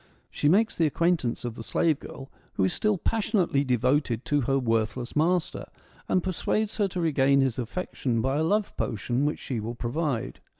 She makes the acquaintance of the slave girl, who is still passionately devoted to her worthless master, and persuades her to regain his affection by a love potion which she will provide.